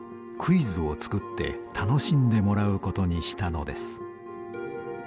クイズをつくって楽しんでもらうことにしたのです。